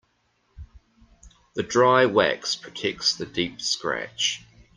The dry wax protects the deep scratch.